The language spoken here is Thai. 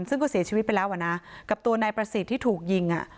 ซึ่งก็เสียชีวิตไปแล้วอ่ะนะกับตัวนายประสิทธิ์ที่ถูกยิง